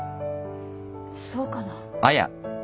そうかな。